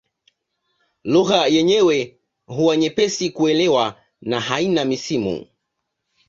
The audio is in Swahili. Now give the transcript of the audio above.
Lugha yenyewe huwa nyepesi kuelewa na haina misimu.